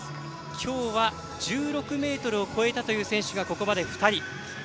今日は１６ｍを超えたという選手がここまで２人。